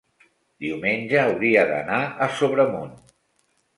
diumenge hauria d'anar a Sobremunt.